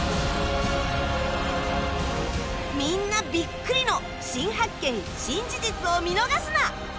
みんなビックリの新発見・新事実を見逃すな！